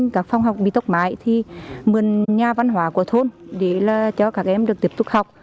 các phòng học bị tốc mái thì mượn nhà văn hóa của thôn để cho các em được tiếp tục học